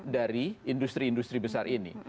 dari industri industri besar ini